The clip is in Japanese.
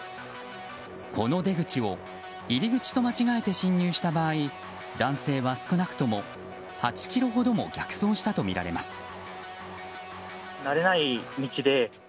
この出口を入り口と間違えて進入した場合男性は少なくとも８ｋｍほども逆走したとみられます。